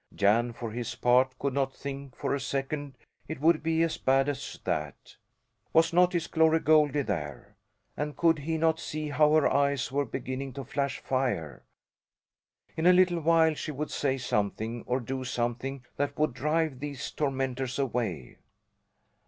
Jan, for his part, could not think for a second it would be as bad as that. Was not his Glory Goldie there? And could he not see how her eyes were beginning to flash fire? In a little while she would say something or do something that would drive these tormentors away.